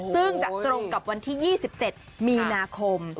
ซึ่งจะตรงกับวันที่๒๗มีนาคม